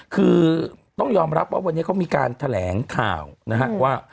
คือต้องยอมรับว่าวันนี้เขามีการแถลงข่าวนะฮะว่า